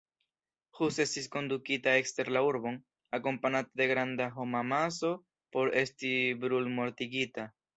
Hus estis kondukita ekster la urbon, akompanate de granda homamaso, por esti brulmortigita.